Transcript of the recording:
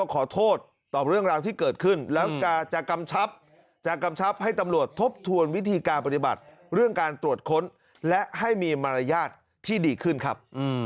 ก็ได้เห็นบทยนต์ครับ